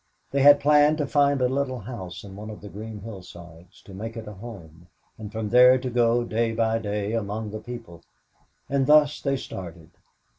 They had planned to find a little house on one of the green hillsides, to make it a home, and from there to go day by day among the people; and thus they started.